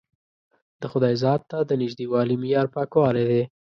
د خدای ذات ته د نژدېوالي معیار پاکوالی دی.